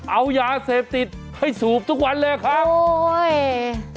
เอายาเสพติดให้สูบทุกวันเลยครับโอ้ย